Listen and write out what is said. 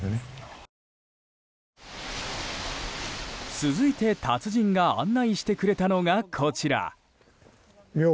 続いて達人が案内してくれたのがこちら。